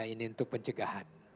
ini untuk pencegahan